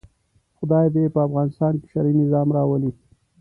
خدای دې په افغانستان کې شرعي نظام راولي.